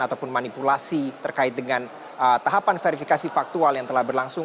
ataupun manipulasi terkait dengan tahapan verifikasi faktual yang telah berlangsung